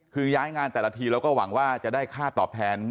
คือย้ายงานแต่ละทีแล้วก็หวังว่าจะได้ค่าตอบแทน